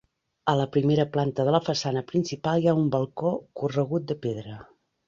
A la primera planta de la façana principal hi ha un balcó corregut de pedra.